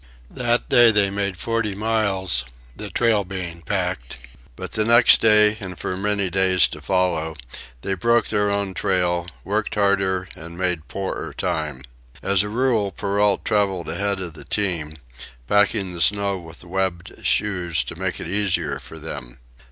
That day they made forty miles, the trail being packed; but the next day, and for many days to follow, they broke their own trail, worked harder, and made poorer time. As a rule, Perrault travelled ahead of the team, packing the snow with webbed shoes to make it easier for them.